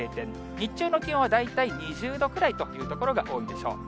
日中の気温は大体２０度くらいという所が多いでしょう。